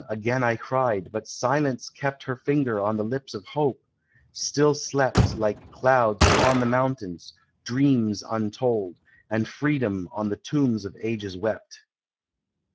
again I cried,—but Silence kept Her finger on the lips of Hope: still slept, Like clouds upon the mountains, dreams untold, And Freedom on the tomb of ages wept.